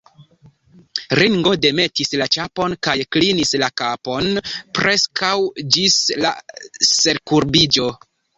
Ringo demetis la ĉapon kaj klinis la kapon preskaŭ ĝis la selkurbiĝo.